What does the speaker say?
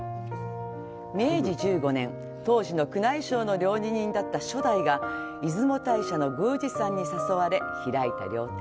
明治１５年当時の宮内省の料理人だった初代が出雲大社の宮司さんに誘われ開いた料亭。